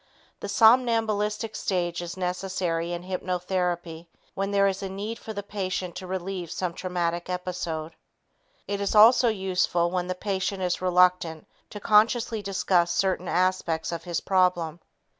The somnambulistic state is necessary in hypnotherapy when there is a need for the patient to relive some traumatic episode. It is also useful when the patient is reluctant to consciously discuss certain aspects of his problem.